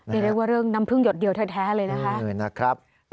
ได้เรียกว่าเรื่องนำพื้นหยดเดียวแท้เลยนะครับ